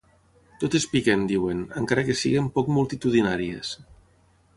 Totes piquen, diuen, encara que siguin poc multitudinàries.